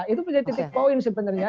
itu menjadi titik poin sebenarnya